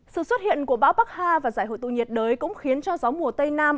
sự xuất hiện của bão bắc hà và giải hội tụ nhiệt đới cũng khiến cho gió mùa tây nam